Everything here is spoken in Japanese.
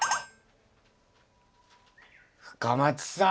深町さん。